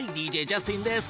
ＤＪジャスティンです。